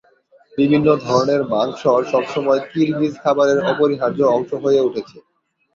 বিভিন্ন ধরনের মাংস সবসময় কিরগিজ খাবারের অপরিহার্য অংশ হয়ে উঠেছে।